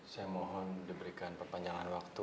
saya mohon diberikan perpanjangan waktu